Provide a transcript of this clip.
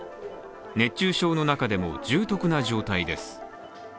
熱中症の中でも重篤な状態です。